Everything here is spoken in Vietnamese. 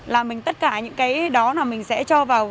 là tất cả những cái đó mình sẽ cho vào